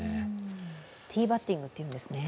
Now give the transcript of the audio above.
ティーバッティングって言うんですね。